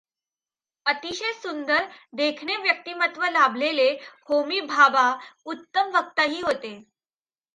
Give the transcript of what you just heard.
अतिशय सुंदर, देखणे व्यक्तीमत्त्व लाभालेले होमी भाभा उत्तम वक्ताही होते.